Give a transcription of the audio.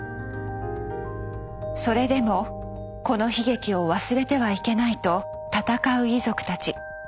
それでもこの悲劇を忘れてはいけないと闘う遺族たち。